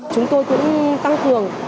chúng tôi cũng tăng cường